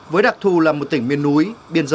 với đặc thù là một tỉnh miền núi biên giới